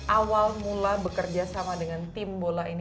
awal mula bekerja sama dengan tim bola ini